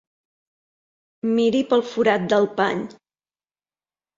Miri pel forat del pany.